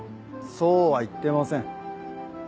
そうは言ってません。